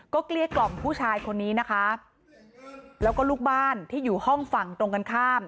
เกลี้ยกล่อมผู้ชายคนนี้นะคะแล้วก็ลูกบ้านที่อยู่ห้องฝั่งตรงกันข้าม